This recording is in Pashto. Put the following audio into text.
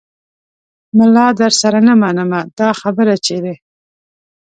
ملا درسره نه منمه دا خبره چیرې